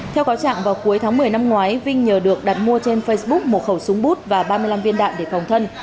theo cáo trạng vào cuối tháng một mươi năm ngoái vinh nhờ được đặt mua trên facebook một khẩu súng bút và ba mươi năm viên đạn để phòng thân